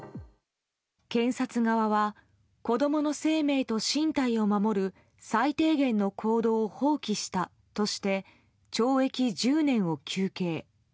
検察側は子供の生命と身体を守る最低限の行動を放棄したとして懲役１０年を求刑。